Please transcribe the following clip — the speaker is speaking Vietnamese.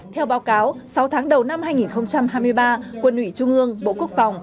theo báo cáo sáu tháng đầu năm hai nghìn hai mươi ba quân ủy trung ương bộ quốc phòng